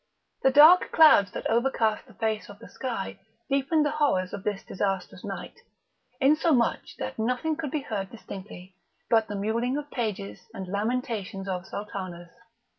The dark clouds that overcast the face of the sky deepened the horrors of this disastrous night, insomuch that nothing could be heard distinctly but the mewling of pages and lamentations of sultanas.